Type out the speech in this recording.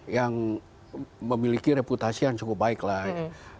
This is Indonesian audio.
yang memiliki reputasi yang cukup baik lah ya